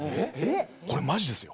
これマジですよ。